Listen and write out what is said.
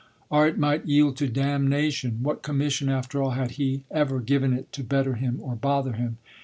Art might yield to damnation: what commission after all had he ever given it to better him or bother him?